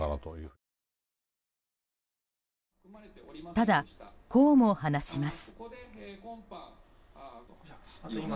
ただ、こうも話します。